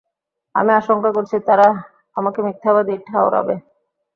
আমি আশংকা করছি, তারা আমাকে মিথ্যাবাদী ঠাওরাবে।